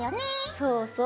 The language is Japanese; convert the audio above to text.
そうそう。